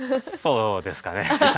そうですかね。